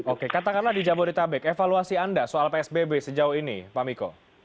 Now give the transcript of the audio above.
oke katakanlah di jabodetabek evaluasi anda soal psbb sejauh ini pak miko